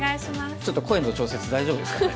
ちょっと声の調節大丈夫ですかね。